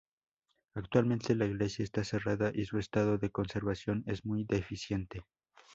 Actualmente la iglesia está cerrada y su estado de conservación es muy deficiente.